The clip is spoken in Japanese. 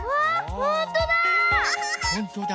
ほんとだ。